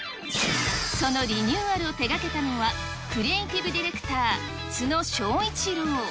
そのリニューアルを手がけたのは、クリエイティブ・ディレクター、津野庄一郎。